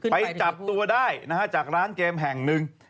ไปจับตัวได้นะฮะจากร้านเกมแห่งหนึ่ง